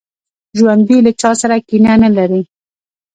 ژوندي له چا سره کینه نه لري